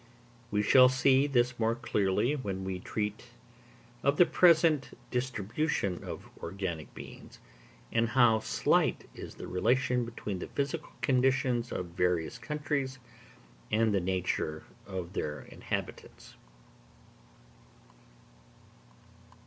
We shall see this more clearly when we treat of the present distribution of organic beings, and find how slight is the relation between the physical conditions of various countries and the nature of their inhabitants.